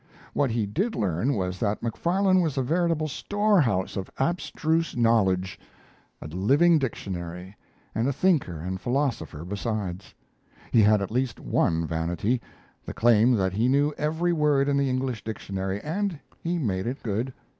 What he did learn was that Macfarlane was a veritable storehouse of abstruse knowledge; a living dictionary, and a thinker and philosopher besides. He had at least one vanity: the claim that he knew every word in the English dictionary, and he made it good.